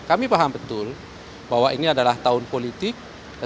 kami paham betul bahwa ini adalah tahun politik